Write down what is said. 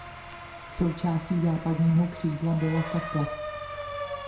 Součástí západního křídla byla kaple.